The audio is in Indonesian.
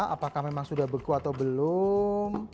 apakah memang sudah beku atau belum